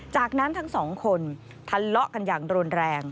จากนั้นทั้งสองคนทะเลาะกันอย่างรุนแรง